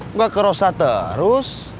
nggak kerosa terus